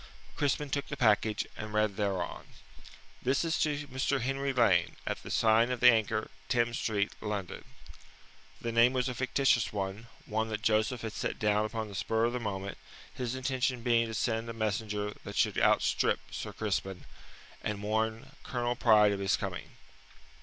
Crispin took the package, and read thereon: This is to Mr. Henry Lane, at the sign of the Anchor, Thames Street, London. The name was a fictitious one one that Joseph had set down upon the spur of the moment, his intention being to send a messenger that should outstrip Sir Crispin, and warn Colonel Pride of his coming.